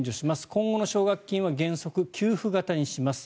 今後の奨学金は原則給付型にします。